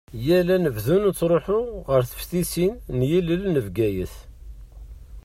Yal anebdu nettruḥu ɣer teftisin n yilel n Bgayet.